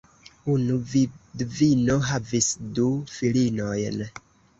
Unu vidvino havis du filinojn.